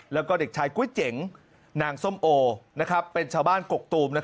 แล้วก็เด็กชายก๋วยเจ๋งนางส้มโอเป็นชาวบ้านกกตูม